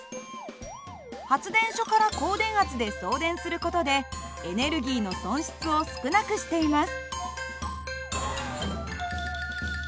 発電所から高電圧で送電する事でエネルギーの損失を少なくしています。